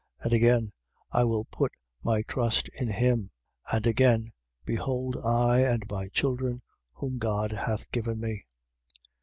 2:13. And again: I will put my trust in him. And again: Behold I and my children, whom God hath given me.